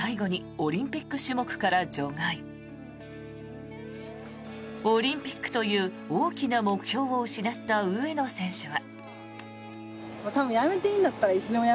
オリンピックという大きな目標を失った上野選手は。